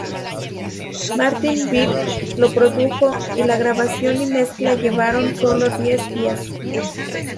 Martin Birch lo produjo, y la grabación y mezcla llevaron sólo diez días.